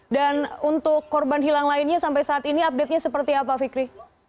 dan untuk korban hilang lainnya sampai saat ini update nya seperti apa fikri